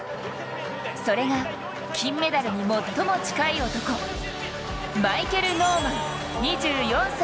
それが、金メダルに最も近い男マイケル・ノーマン、２４歳。